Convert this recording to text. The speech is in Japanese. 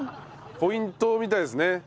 ポイントみたいですね。